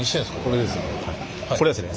これはですね